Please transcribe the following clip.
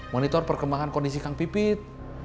monitor perkembangan kondisi kang pipit